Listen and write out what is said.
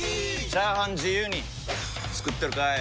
チャーハン自由に作ってるかい！？